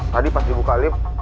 tadi pas dibuka alim